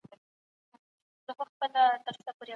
د علمي مرحلې ځانګړتيا څه ده؟